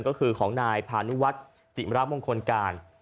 ก็คือของนายพานุวัฒน์จิมรามงคลการ